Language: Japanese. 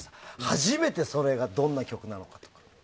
初めてそれがどんな曲なのか。